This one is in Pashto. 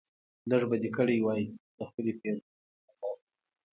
لږ به دې کړی و دخپلې پیرزوینې نظر